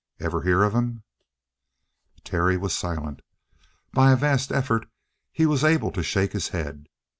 Ever hear of him?" Terry was silent. By a vast effort he was able to shake his head.